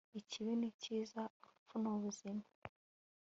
ikibi n'icyiza, urupfu n'ubuzima